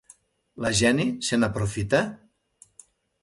La Jenny se n'aprofita?